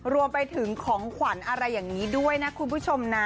รวมไปถึงของขวัญอะไรอย่างนี้ด้วยนะคุณผู้ชมนะ